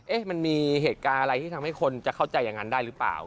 มันมีเหตุการณ์อะไรที่ทำให้คนจะเข้าใจอย่างนั้นได้หรือเปล่า